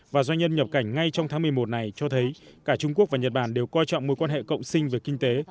và doanh nhân nhập cảnh ngay trong tháng một mươi một này cho thấy cả trung quốc và nhật bản đều coi trọng mối quan hệ cộng sinh về kinh tế